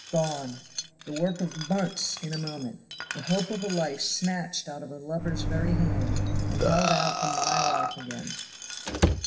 Gone the work of months in a moment the hope of a life snatched out of a lover's very hand, and held out a mile off again!